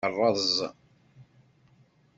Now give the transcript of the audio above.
Rreẓ.